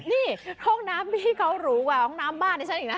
นี่ห้องน้ำที่เขาหรูกว่าห้องน้ำบ้านดิฉันอีกนะ